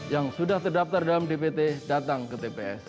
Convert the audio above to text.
yang sudah terdaftar dalam dpt datang ke tps